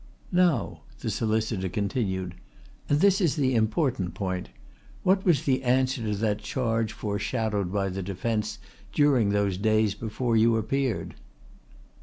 "Now," the solicitor continued "and this is the important point what was the answer to that charge foreshadowed by the defence during those days before you appeared?"